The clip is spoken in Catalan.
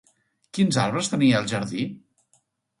Quins arbres tenia al jardí?